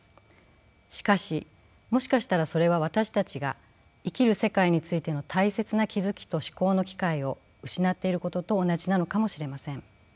しかしもしかしたらそれは私たちが生きる世界についての大切な気付きと思考の機会を失っていることと同じなのかもしれません。